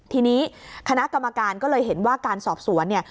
ทีนี้คณะกรรมการก็เลยเห็นว่าการสอบสวนเนี่ย